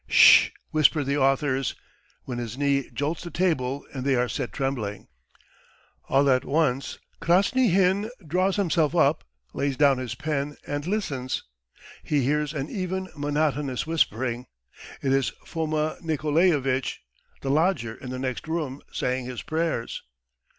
"Sh!" whisper the authors, when his knee jolts the table and they are set trembling. All at once Krasnyhin draws himself up, lays down his pen and listens. ... He hears an even monotonous whispering. ... It is Foma Nikolaevitch, the lodger in the next room, saying his prayers.